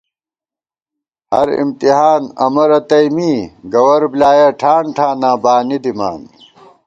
ہرامتحان امہ رتئ می ، گوَر بۡلیایَہ ٹھان ٹھاناں بانی دِمان